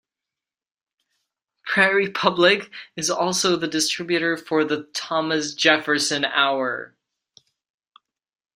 Prairie Public is also the distributor for "The Thomas Jefferson Hour".